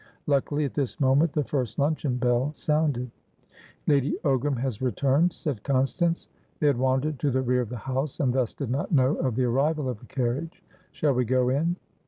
Luckily, at this moment the first luncheon bell sounded. "Lady Ogram has returned," said Constance. They had wandered to the rear of the house, and thus did not know of the arrival of the carriage. "Shall we go in?"